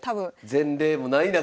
前例もない中。